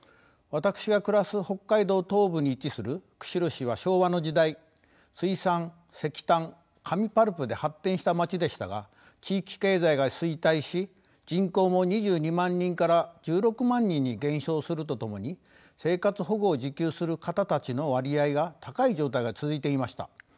私が暮らす北海道東部に位置する釧路市は昭和の時代水産石炭紙パルプで発展した町でしたが地域経済が衰退し人口も２２万人から１６万人に減少するとともに生活保護を受給する方たちの割合が高い状態が続いていました。